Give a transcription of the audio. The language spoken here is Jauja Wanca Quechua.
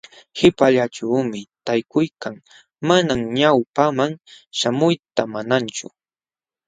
Qipallaćhuumi taakuykan, manam ñawpaqman śhamuyta munanchu.